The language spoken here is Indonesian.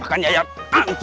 mereka satu persatu